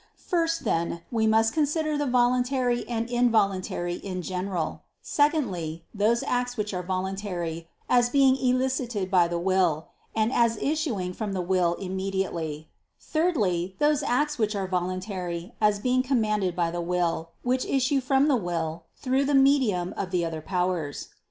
First, then, we must consider the voluntary and involuntary in general; secondly, those acts which are voluntary, as being elicited by the will, and as issuing from the will immediately; thirdly, those acts which are voluntary, as being commanded by the will, which issue from the will through the medium of the other powers.